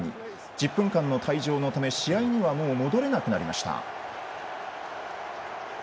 １０分間の退場のため試合にはもう戻れなくなりました。